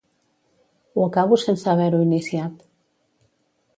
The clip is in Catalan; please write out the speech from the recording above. Ho acabo sense haver-ho iniciat.